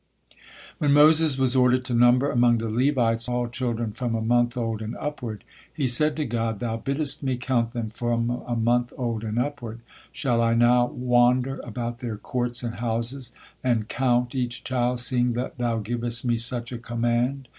When Moses was ordered to number among the Levites all children from a month old and upward, he said to God: "Thou biddest me count them from a month old and upward. Shall I now wander about their courts and houses and count each child, seeing that Thou givest me such a command?"